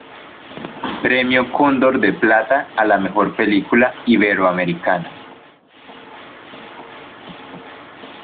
Premio Cóndor de Plata a la mejor película iberoamericana.